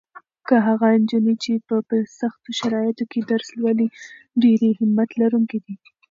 هغه نجونې چې په سختو شرایطو کې درس لولي ډېرې همت لرونکې دي.